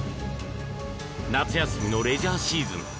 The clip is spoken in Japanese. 夏休みのレジャーシーズン。